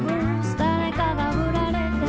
「誰かがふられて」